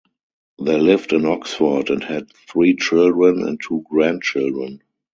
They lived in Oxford and had three children and two grandchildren.